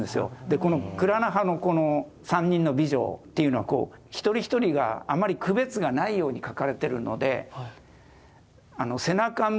でこのクラーナハのこの３人の美女っていうのは一人一人があまり区別がないように描かれてるので背中